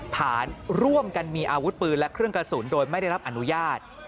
ฐานร่วมกันมีอาวุธปืนและเครื่องกระสุนโดยไม่ได้รับอนุญาต